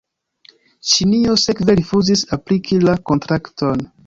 Ĉinio sekve rifuzis apliki la kontrakton.